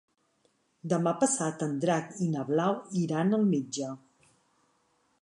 Demà passat en Drac i na Blau iran al metge.